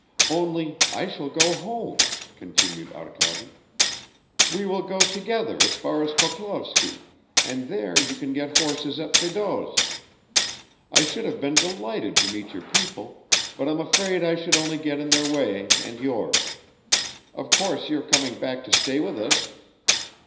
"Only I shall go home," continued Arkady. "We will go together as far as Khokhlovsky, and there you can get horses at Fedot's. I should have been delighted to meet your people, but I'm afraid I should only get in their way and yours. Of course you're coming back to stay with us?"